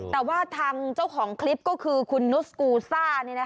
แต่ว่าทางเจ้าของคลิปก็คือคุณนุสกูซ่า